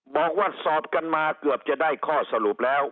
บอกว่าสอบกันมาเกือบจะได้ข้อสรุปแล้ว